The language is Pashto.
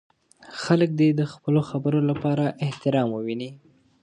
خلک دې د خپلو خبرو لپاره احترام وویني.